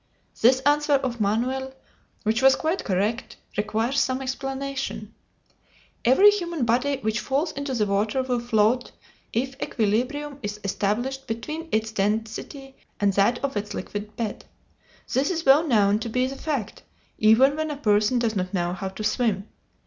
This answer of Manoel, which was quite correct, requires some explanation. Every human body which falls into the water will float if equilibrium is established between its density and that of its liquid bed. This is well known to be the fact, even when a person does not know how to swim.